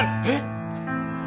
えっ！？